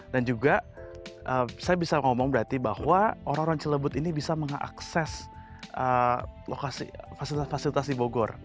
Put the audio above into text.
dan juga saya bisa ngomong berarti bahwa orang orang cilebut ini bisa mengakses fasilitas fasilitas di bogor